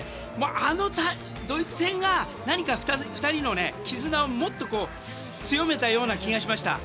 あのドイツ戦が何か２人の絆をもっと強めたような気がしました。